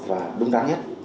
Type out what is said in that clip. và đúng đắn nhất